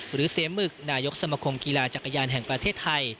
หรือเสียหมึกนายกสมคมกีฬาจักรยานแห่งประเทศไทย